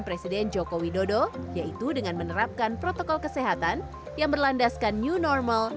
presiden joko widodo yaitu dengan menerapkan protokol kesehatan yang berlandaskan new normal